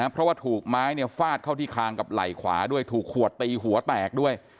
เพราะว่าถูกไม้ฟาดเข้าที่คางกับไหล่ขวาด้วยถูกขวดตีหัวแตกด้วย